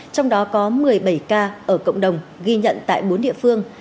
trong đó có một mươi bảy ca ở cộng đồng ghi nhận tại bốn địa phương